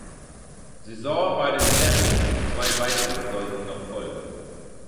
Saison bei den Devils und zwei weitere sollten noch folgen.